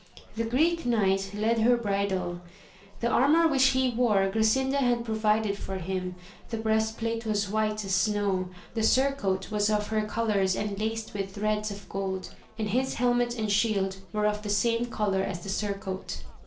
The Greek Knight led her bridle : the armour which he wore Grasinda had pro vided for him ; the breast plate was white as snow, the surcoat was of her colours and laced with threads of gold, and his helmet and shield were of the same colour as the surcoat.